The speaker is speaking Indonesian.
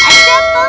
jadi ada aja pak